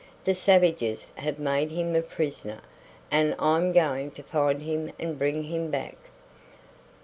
"The savages have made him a prisoner, and I'm going to find him and bring him back."